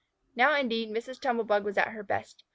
Now, indeed, Mrs. Tumble bug was at her best.